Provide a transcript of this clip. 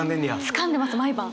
つかんでます毎晩。